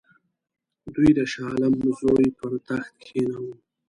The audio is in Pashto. دوی د شاه عالم زوی پر تخت کښېناوه.